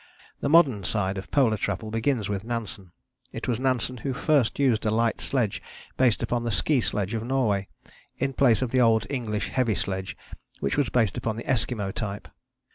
The modern side of polar travel begins with Nansen. It was Nansen who first used a light sledge based upon the ski sledge of Norway, in place of the old English heavy sledge which was based upon the Eskimo type.